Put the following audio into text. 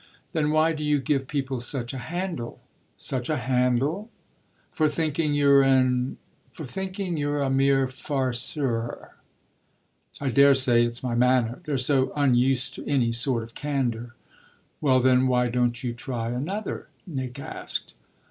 "Then why do you give people such a handle?" "Such a handle?" "For thinking you're an for thinking you're a mere farceur." "I daresay it's my manner: they're so unused to any sort of candour." "Well then why don't you try another?" Nick asked.